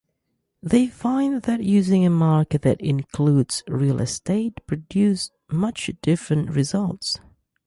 They find that using a market that includes real estate produces much different results.